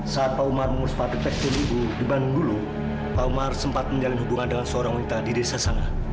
saat pak umar mengurus pabrik tekstur ibu di bandung dulu pak umar sempat menjalin hubungan dengan seorang wanita di desa sana